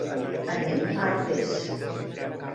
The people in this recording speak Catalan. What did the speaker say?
Anem a Artés.